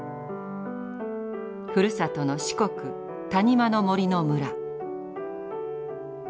ふるさとの四国谷間の森の村。